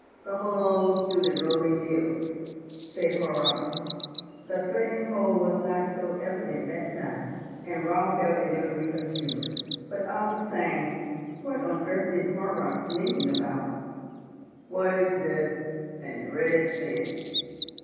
"Come along to the rolling mills," said Horrocks. The threatening hold was not so evident that time, and Raut felt a little reassured. But all the same, what on earth did Horrocks mean about "white as death" and "red as sin?"